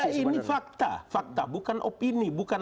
sudah ini fakta fakta bukan opini bukan